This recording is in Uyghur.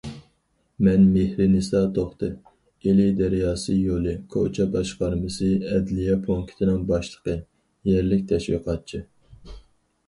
مەن مېھرىنىسا توختى، ئىلى دەرياسى يولى كوچا باشقارمىسى ئەدلىيە پونكىتىنىڭ باشلىقى، يەرلىك تەشۋىقاتچى.